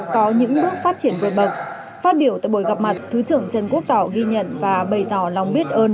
có những bước phát triển vượt bậc phát biểu tại buổi gặp mặt thứ trưởng trần quốc tỏ ghi nhận và bày tỏ lòng biết ơn